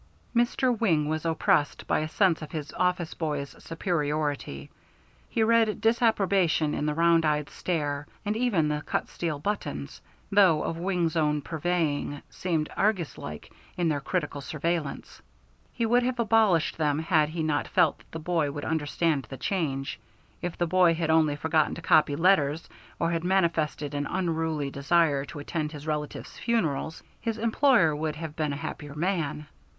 Mr. Wing was oppressed by a sense of his office boy's superiority. He read disapprobation in the round eyed stare, and even the cut steel buttons, though of Wing's own purveying, seemed arguslike in their critical surveillance. He would have abolished them had he not felt that the boy would understand the change. If the boy had only forgotten to copy letters or had manifested an unruly desire to attend his relatives' funerals, his employer would have been a happier man.